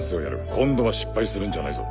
今度は失敗するんじゃないぞ。